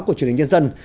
của truyền hình nhân dân